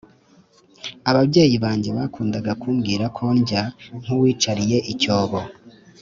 Ababyeyi banjye bakundaga kumbwira ko ndya nk uwicariye icyobo